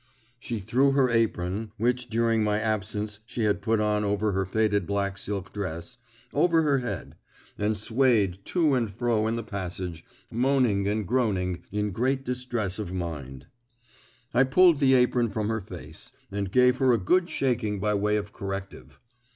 She threw her apron (which during my absence she had put on over her faded black silk dress) over her head, and swayed to and fro in the passage, moaning and groaning in great distress of mind. I pulled the apron from her face, and gave her a good shaking by way of corrective.